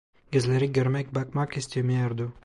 Gözleri görmek bakmak istemiyordu.